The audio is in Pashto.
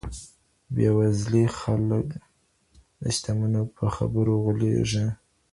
بې وزلي خلګ د شتمنو په خبرو غولیږي.